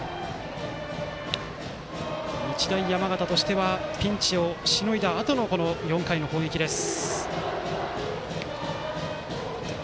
日大山形としてはピンチをしのいだあとの４回の攻撃です。